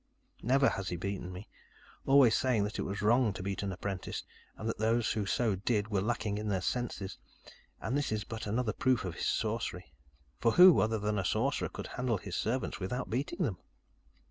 "Never has he beaten me, always saying that it was wrong to beat an apprentice, and that those who so did were lacking in their senses. And this is but another proof of his sorcery, for who, other than a sorcerer, could handle his servants without beating them?